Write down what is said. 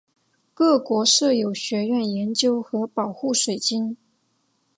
各国设有学院研究和保护水晶。